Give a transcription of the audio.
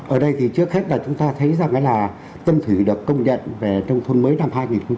ở đây thì trước hết là chúng ta thấy rằng là tuân thủy được công nhận về nông thuần mới năm hai nghìn một mươi sáu